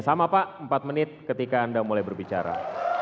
sama pak empat menit ketika anda mulai berbicara